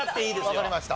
わかりました。